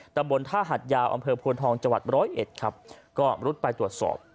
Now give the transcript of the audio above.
ตำบลท่าหัดยาวอำเภอโพนทองจังหวัดร้อยเอ็ดครับก็รุดไปตรวจสอบ